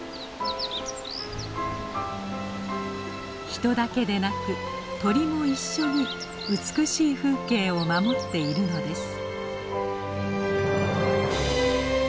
人だけでなく鳥も一緒に美しい風景を守っているのです。